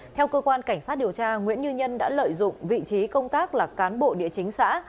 theo cơ quan cảnh sát điều tra nguyễn như nhân đã lợi dụng vị trí công tác là cán bộ địa chính xã